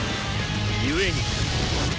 故に。